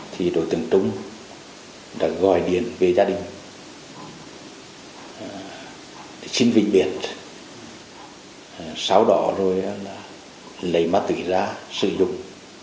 khi đối tượng trung đã gọi điện về gia đình xin vị biệt xáo đỏ rồi lấy má tủy ra sử dụng